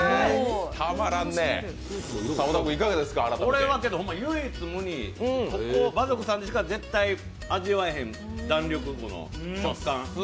これは唯一無二馬賊さんでしか絶対に味わえへん弾力。